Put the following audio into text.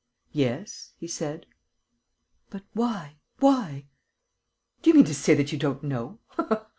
"Yes," he said. "But why? Why?" "Do you mean to say that you don't know?"